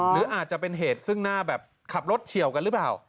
หรืออาจจะเป็นเหตุซึ่งหน้าแบบขับรถเฉียวกันหรือเปล่า